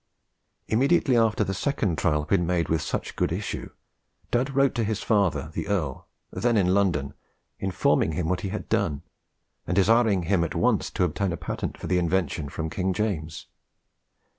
Immediately after the second trial had been made with such good issue, Dud wrote to his father the Earl, then in London, informing him what he had done, and desiring him at once to obtain a patent for the invention from King James.